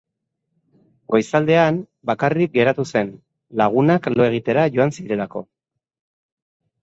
Goizaldean, bakarrik geratu zen, lagunak lo egitera joan zirelako.